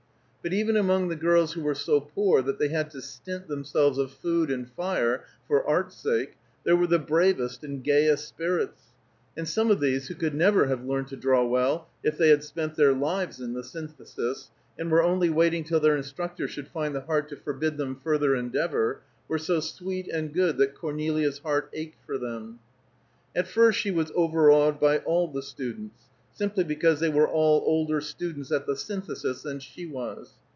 But even among the girls who were so poor that they had to stint themselves of food and fire, for art's sake, there were the bravest and gayest spirits; and some of these who could never have learned to draw well if they had spent their lives in the Synthesis, and were only waiting till their instructor should find the heart to forbid them further endeavor, were so sweet and good that Cornelia's heart ached for them. At first she was overawed by all the students, simply because they were all older students at the Synthesis than she was.